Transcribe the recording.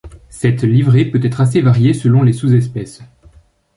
Cette livrée peut être assez variée selon les sous-espèces.